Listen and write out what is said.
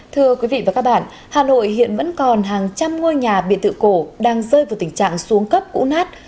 thưa quý vị và các bạn hà nội hiện vẫn còn hàng trăm ngôi nhà biệt tự cổ đang rơi vào tình trạng xuống cấp cũ nát